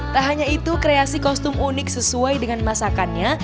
tak hanya itu kreasi kostum unik sesuai dengan masakannya